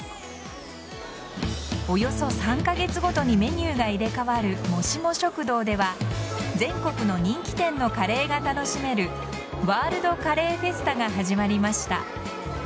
およそ３カ月ごとにメニューが入れ替わるもしも食堂では全国の人気店のカレーが楽しめるワールドカレーフェスタが始まりました。